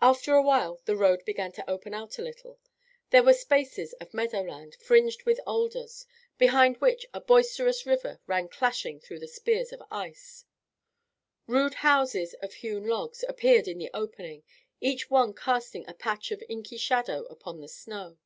After a while the road began to open out a little. There were spaces of meadow land, fringed with alders, behind which a boisterous river ran clashing through spears of ice. Rude houses of hewn logs appeared in the openings, each one casting a patch of inky shadow upon the snow.